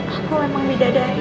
aku memang bidadari